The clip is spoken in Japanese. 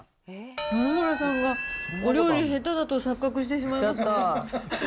野々村さんがお料理下手だと錯覚してしまいますね。